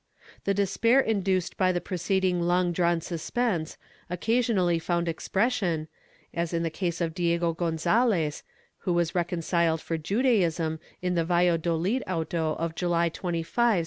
^ The despair induced by the preceding long drawn suspense occasionally found expression, as in the case of Diego Gonzalez, who was reconciled for Judaism in the Valladolid auto of July 25, 1644.